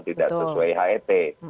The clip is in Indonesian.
tidak sesuai het